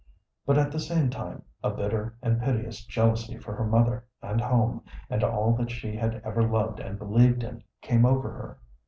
But at the same time a bitter and piteous jealousy for her mother and home, and all that she had ever loved and believed in, came over her.